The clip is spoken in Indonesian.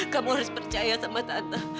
kamu harus percaya sama tante